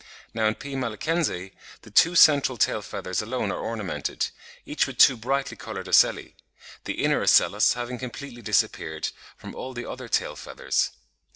Now in P. malaccense, the two central tail feathers alone are ornamented, each with two brightly coloured ocelli, the inner ocellus having completely disappeared from all the other tail feathers.